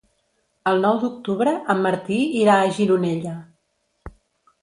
El nou d'octubre en Martí irà a Gironella.